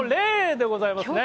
でございますね。